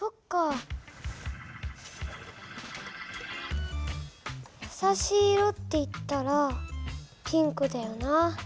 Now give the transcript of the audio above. やさしい色っていったらピンクだよな。